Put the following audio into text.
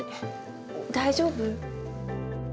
大丈夫？